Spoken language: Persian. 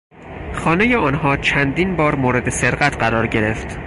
خانهی آنها چندین بار مورد سرقت قرار گرفت.